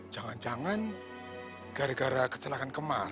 jangan jangan gara gara kecelakaan kemarin